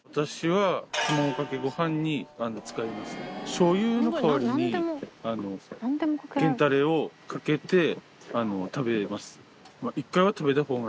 しょう油の代わりに源たれをかけて食べます。